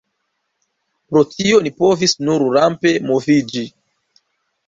Pro tio ni povis nur rampe moviĝi.